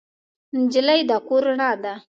نجلۍ د کور رڼا ده.